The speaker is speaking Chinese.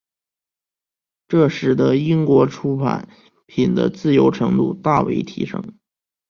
这使得英国出版品的自由程度大为提升。